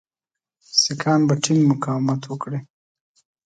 سیکهان به ټینګ مقاومت وکړي.